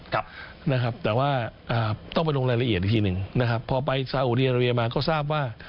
พอไปสาวุดีอาราเบียมาก็ทราบว่า